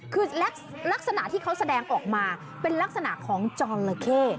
คือลักษณะที่เขาแสดงออกมาเป็นลักษณะของจอละเข้